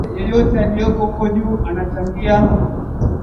aziri mkuu wa israel benjamin netanyahu